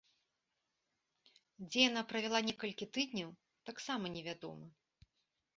Дзе яна правяла некалькі тыдняў, таксама невядома.